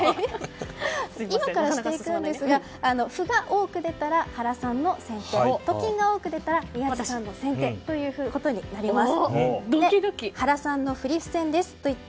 今からしていくんですが「歩」が多く出たら原さんの先手「と」が多く出たら宮司さんの先手となります。